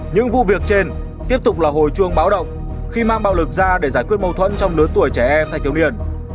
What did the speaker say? những vụ việc trên tiếp tục là hồi chuông báo động khi mang bạo lực ra để giải quyết mâu thuẫn trong lớn tuổi trẻ em thay kiếu niên